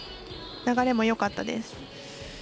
流れもよかったです。